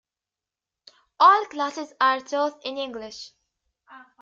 All classes are taught in English.